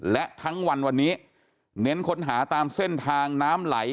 และทั้งวันวันนี้เน้นค้นหาตามเส้นทางน้ำไหล